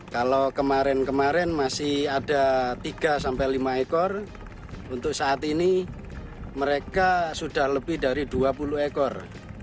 kalau kemarin kemarin masih ada tiga sampai lima ekor untuk saat ini mereka sudah lebih dari dua puluh ekor